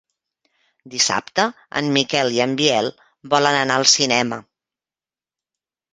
Dissabte en Miquel i en Biel volen anar al cinema.